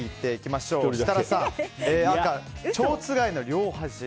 設楽さんは赤、ちょうつがいの両端。